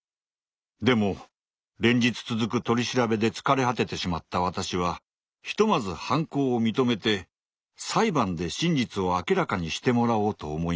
でも連日続く取り調べで疲れ果ててしまった私はひとまず犯行を認めて裁判で真実を明らかにしてもらおうと思いました。